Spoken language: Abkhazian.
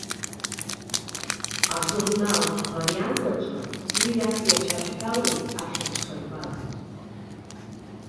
Ажурналтә вариант аҿы уи актәи ацәаҳәалоуп ахьӡ шарбаз.